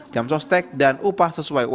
jam sostek dan upah sesuai